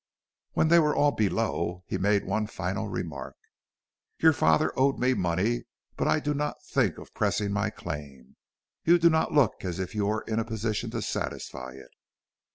When they were all below, he made one final remark: "Your father owed me money, but I do not think of pressing my claim. You do not look as if you were in a position to satisfy it."